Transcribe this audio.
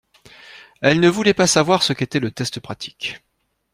Elle ne voulait pas savoir ce qu’était le test pratique.